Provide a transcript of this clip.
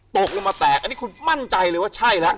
ตกลงมาแตกอันนี้คุณมั่นใจเลยว่าใช่แล้ว